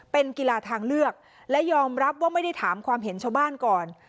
เป็นกีฬาทางเลือกและยอมรับว่าไม่ได้ถามความเห็นชาวบ้านก่อน